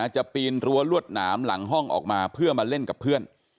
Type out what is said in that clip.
ปีนรั้วลวดหนามหลังห้องออกมาเพื่อมาเล่นกับเพื่อน